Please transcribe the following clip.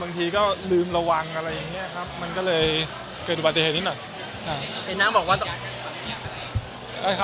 บางทีก็ลืมระวังอะไรอย่างเงี้ยครับมันก็เลยเกิดอุบัติเหตุนิดหน่อย